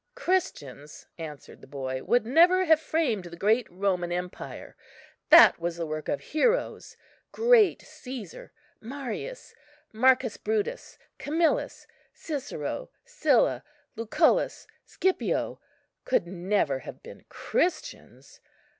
"Christians," answered the boy, "would never have framed the great Roman empire; that was the work of heroes. Great Cæsar, Marius, Marcus Brutus, Camillus, Cicero, Sylla, Lucullus, Scipio, could never have been Christians.